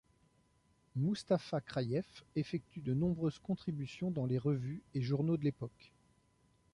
Mustapha Khraïef effectue de nombreuses contributions dans les revues et journaux de l'époque.